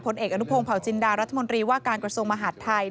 เอกอนุพงศ์เผาจินดารัฐมนตรีว่าการกระทรวงมหาดไทย